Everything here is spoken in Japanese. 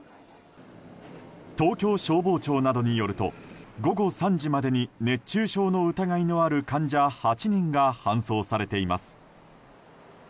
東京消防庁などによると午後３時までに熱中症の疑いのある患者８人が搬送されています。